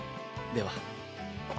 では。